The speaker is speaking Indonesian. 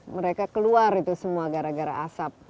mereka keluar itu semua gara gara asap